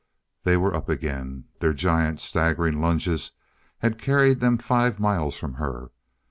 They were up again. Their giant staggering lunges had carried them five miles from her.